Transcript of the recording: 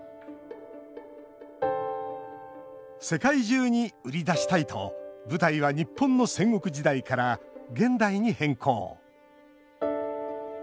世界中に売り出したいと舞台は日本の戦国時代から現代に変更。